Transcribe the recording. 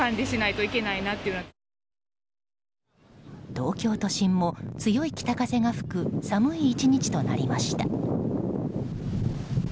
東京都心も強い北風が吹く寒い１日となりました。